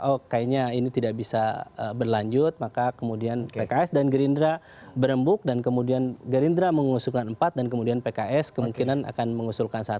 oh kayaknya ini tidak bisa berlanjut maka kemudian pks dan gerindra berembuk dan kemudian gerindra mengusulkan empat dan kemudian pks kemungkinan akan mengusulkan satu